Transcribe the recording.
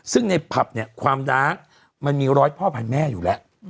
ซึ่งในผับเนี่ยความรักมันมีร้อยพ่อพ่อแผ่นแม่อยู่แหละ